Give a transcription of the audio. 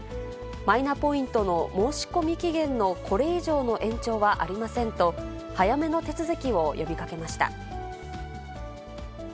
マイナポイントの申し込み期限のこれ以上の延長はありませんと、早めの手続きを呼びかけました。